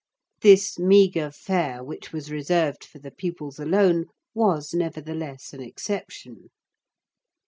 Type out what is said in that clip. This meagre fare, which was reserved for the pupils alone, was, nevertheless, an exception.